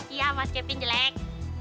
iya mas kepin jelek